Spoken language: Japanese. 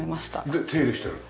で手入れしてる。